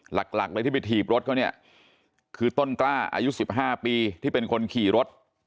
หลักเลยที่ไปถีบรถเขาเนี่ยคือต้นกล้าอายุ๑๕ปีที่เป็นคนขี่รถ